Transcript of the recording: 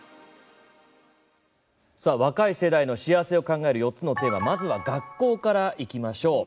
若い世代の幸せを考える４つのテーマまずは学校からいきましょう。